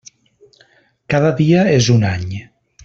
Cada dia és un any.